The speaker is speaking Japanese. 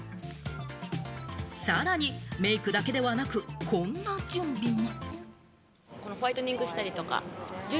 さらにメイクだけではなくこんな準備も。